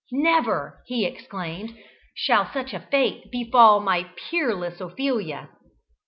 "Never," he exclaimed, "shall such a fate befall my peerless Ophelia!"